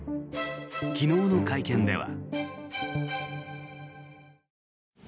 昨日の会見では。